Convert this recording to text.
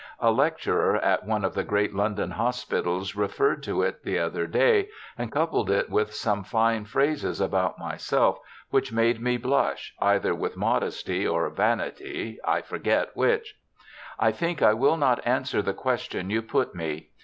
A lecturer at one of the great London hospitals referred to it the other day and coupled it with some fine phrases about myself which made me blush, either with modesty or vanity, I forget which. * I thmk I will not answer the question you put me.